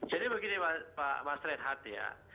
jadi begini pak mas redhat ya